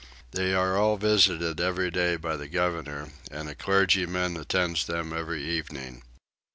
They are all visited every day by the governor, and a clergyman attends them every evening.